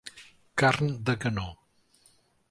Carn de canó.